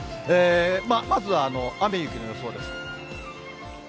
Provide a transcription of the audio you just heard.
まずは雨、雪の予想です。